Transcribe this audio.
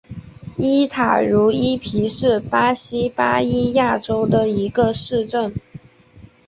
伊塔茹伊皮是巴西巴伊亚州的一个市镇。